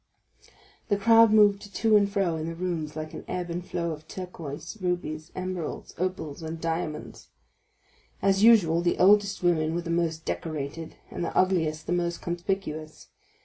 The crowd moved to and fro in the rooms like an ebb and flow of turquoises, rubies, emeralds, opals, and diamonds. As usual, the oldest women were the most decorated, and the ugliest the most conspicuous.